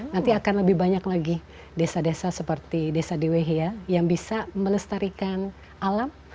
nanti akan lebih banyak lagi desa desa seperti desa dewehia yang bisa melestarikan alam